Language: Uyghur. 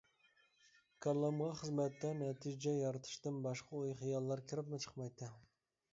كاللامغا خىزمەتتە نەتىجە يارىتىشتىن باشقا ئوي-خىياللار كىرىپمۇ چىقمايتتى.